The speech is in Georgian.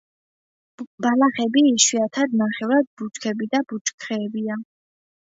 ბალახები, იშვიათად ნახევრად ბუჩქები და ბუჩქებია.